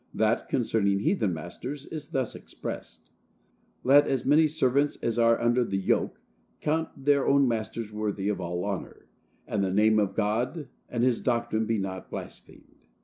That concerning heathen masters is thus expressed: "Let as many servants as are under the yoke count their own masters worthy of all honor, that the name of God and his doctrine be not blasphemed."